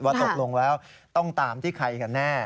ตกลงแล้วต้องตามที่ใครกันแน่